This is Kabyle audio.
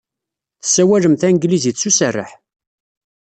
Tessawalem tanglizit s userreḥ.